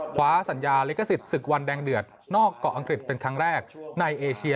คว้าสัญญาลิขสิทธิ์ศึกวันแดงเดือดนอกเกาะอังกฤษเป็นครั้งแรกในเอเชีย